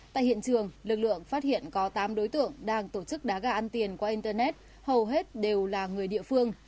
tại hiện trường lực lượng phát hiện có tám đối tượng đang tổ chức đá gà ăn tiền qua internet hầu hết đều là người địa phương